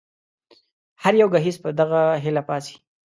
هر يو ګهيځ په دغه هيله پاڅي